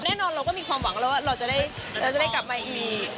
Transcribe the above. แน่นอนเราก็มีความหวังแล้วว่าเราจะได้กลับมาอีก